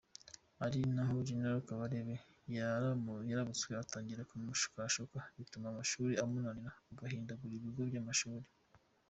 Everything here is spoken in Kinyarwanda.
Ari naho General Kabarebe yamurabutswe atangira kumushukashuka bituma amashuri amunanira agahindagura ibigo by’amashuri.